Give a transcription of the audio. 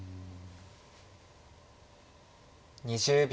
２０秒。